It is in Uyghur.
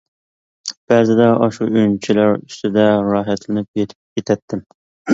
بەزىدە ئاشۇ ئۈنچىلەر ئۈستىدە راھەتلىنىپ يېتىپ كېتەتتىم.